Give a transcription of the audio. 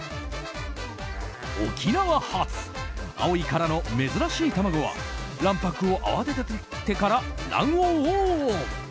沖縄発、青い殻の珍しい卵は卵白を泡立ててから卵黄をオン！